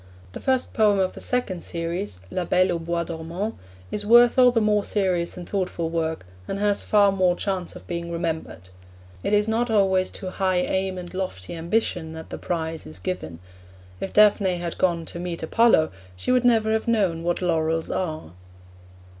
The first poem of the second series, La Belle au Bois Dormant, is worth all the more serious and thoughtful work, and has far more chance of being remembered. It is not always to high aim and lofty ambition that the prize is given. If Daphne had gone to meet Apollo, she would never have known what laurels are.